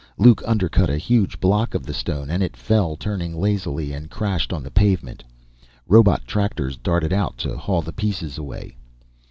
Luke undercut a huge block of the stone and it fell, turning lazily, and crashed on the pavement. Robot tractors darted out to haul the pieces away.